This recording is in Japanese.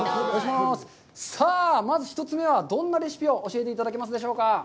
さあ、まず１つ目はどんなレシピを教えていただけますでしょうか。